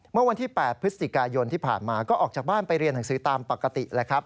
เมื่อวันที่๘พฤศจิกายนที่ผ่านมาก็ออกจากบ้านไปเรียนหนังสือตามปกติแล้วครับ